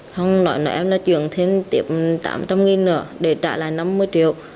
không nói là em chuyển thêm tiệm tám trăm linh đồng nữa để trả lại năm mươi triệu